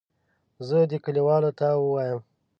زه دې کلیوالو ته ووایم.